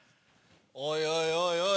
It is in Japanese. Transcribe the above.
おいおい